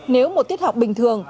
nếu một tiết học bình thường